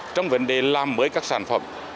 trong vấn đề làm mới các sản phẩm